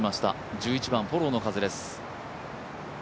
１１番、フォローの風です。